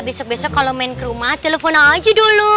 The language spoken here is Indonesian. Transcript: besok besok kalau main ke rumah telepon aja dulu